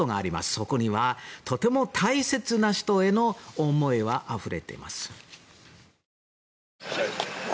そこには、とても大切な人への思いがあふれています。